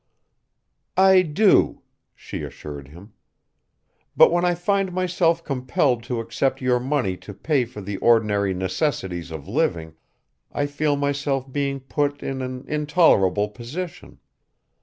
"I do," she assured him, "but when I find myself compelled to accept your money to pay for the ordinary necessaries of living, I feel myself being put in an intolerable position.